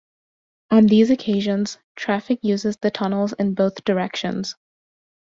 On these occasions, traffic uses the tunnels in both directions.